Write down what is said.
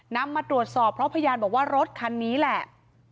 มาตรวจสอบเพราะพยานบอกว่ารถคันนี้แหละ